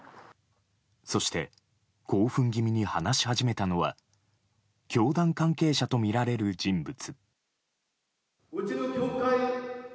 そして興奮気味に話し始めたのは教団関係者とみられる人物。